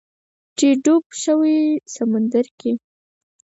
چې ډوب شوی سمندر کې